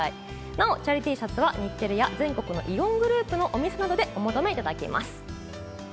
なおチャリＴシャツは、日テレ屋、全国のイオングループのお店などでお求めいただけます。